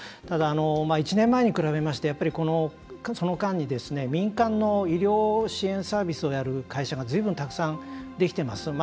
ただ、１年前と比べてその間に民間の医療支援サービスをやる会社がずいぶんたくさんできてます。